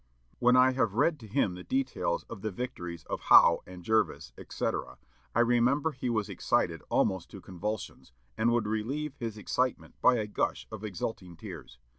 When I have read to him the details of the victories of Howe and Jervis, etc., I remember he was excited almost to convulsions, and would relieve his excitement by a gush of exulting tears.